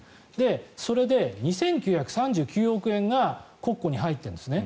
それで２９３９億円が国庫に入ってるんですね。